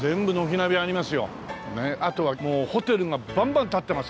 あとはもうホテルがバンバン立ってますから。